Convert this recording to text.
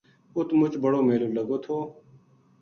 اُت مچ بڑو میلو لگو تھو